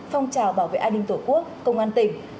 phong trào bảo vệ an ninh tổ quốc công an tỉnh